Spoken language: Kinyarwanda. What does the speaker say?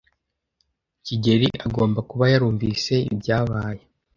kigeli agomba kuba yarumvise ibyabaye.